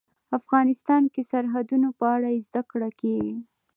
افغانستان کې د سرحدونه په اړه زده کړه کېږي.